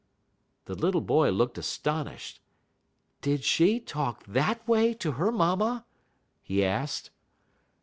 '" The little boy looked astonished. "Did she talk that way to her mamma?" he asked.